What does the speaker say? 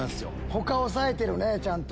他抑えてるねちゃんと。